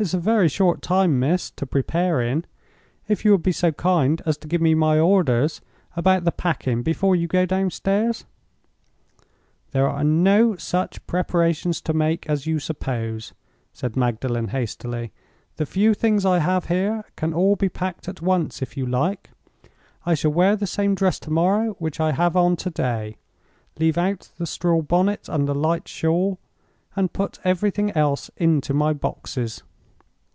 "It's a very short time, miss, to prepare in. If you would be so kind as to give me my orders about the packing before you go downstairs—?" "There are no such preparations to make as you suppose," said Magdalen, hastily. "The few things I have here can be all packed at once, if you like. I shall wear the same dress to morrow which I have on to day. Leave out the straw bonnet and the light shawl, and put everything else into my boxes.